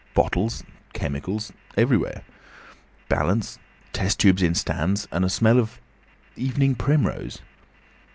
Bottles—chemicals—everywhere. Balance, test tubes in stands, and a smell of—evening primrose.